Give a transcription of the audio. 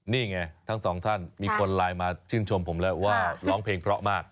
นี่ไงทั้งสองท่านมีคนไลน์มาชื่นชมผมแล้วว่าร้องเพลงเพราะมาก